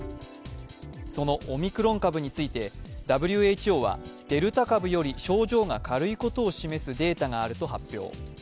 そのオミクロン株についてＷＨＯはデルタ株より症状が軽いことを示すデータがあると発表。